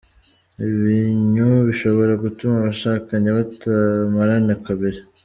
Ibinyu bishobora gutuma abashakanye batamarana kabiri.